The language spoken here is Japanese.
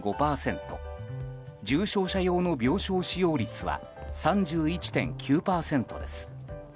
重症者用の病床使用率は３１．９％です。